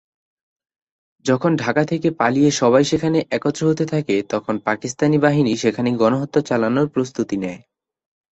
যখন ঢাকা থেকে পালিয়ে সবাই সেখানে একত্র হতে থাকে, তখন পাকিস্তানি বাহিনী সেখানে গণহত্যা চালানোর প্রস্তুতি নেয়।